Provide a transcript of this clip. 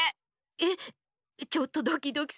えっちょっとドキドキするう。